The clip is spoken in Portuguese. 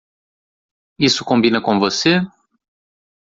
Isso combina com você?